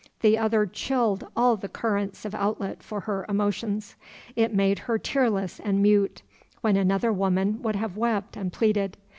The other chilled all the currents of outlet for her emotions. It made her tearless and mute, when another woman would have wept and pleaded.